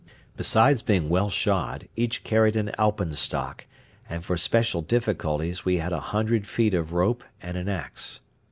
Besides being well shod each carried an alpenstock, and for special difficulties we had a hundred feet of rope and an axe.